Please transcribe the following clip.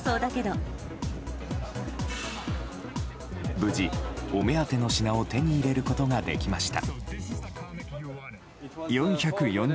無事、お目当ての品を手に入れることができました。